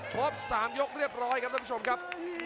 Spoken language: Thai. ครบ๓ยกเรียบร้อยครับท่านผู้ชมครับ